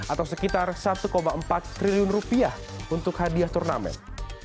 atau sekitar satu empat triliun rupiah untuk hadiah turnamen